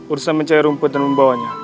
urusan mencari rumput dan membawanya